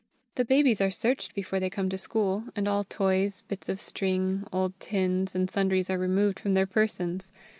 The babies are searched before they come to school, and all toys, bits of string, old tins, and sundries are removed from their persons.